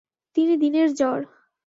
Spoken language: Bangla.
তিনি দিনের জ্বর।